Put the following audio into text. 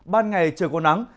ban ngày trời có nắng